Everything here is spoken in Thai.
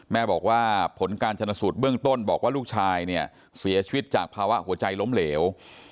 แม่บอกว่าผลการชนสูตรเบื้องต้นบอกว่าลูกชายเนี่ยเสียชีวิตจากภาวะหัวใจล้มเหลว